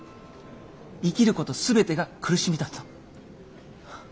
生きること全てが苦しみだと。